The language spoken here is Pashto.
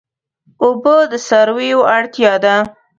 اوبه د څارویو اړتیا ده.